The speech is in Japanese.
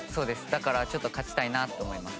だからちょっと勝ちたいなと思います。